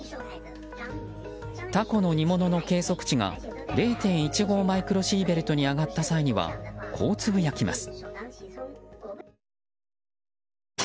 タコの煮物の計測値が０．１５マイクロシーベルトに上がった際にはこうつぶやきます。